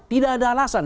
tidak ada alasan